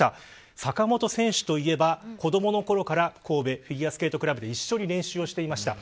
坂本選手といえば子どものころから神戸フィギュアスケートクラブで一緒に練習していました。